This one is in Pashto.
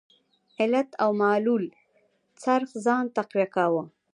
علت او معلول څرخ ځان تقویه کاوه.